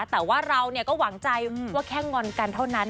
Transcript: แต่ว่าเราก็หวังใจว่าแค่งอนกันเท่านั้น